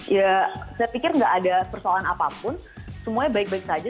ya saya pikir nggak ada persoalan apapun semuanya baik baik saja